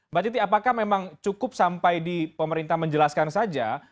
mbak titi apakah memang cukup sampai di pemerintah menjelaskan saja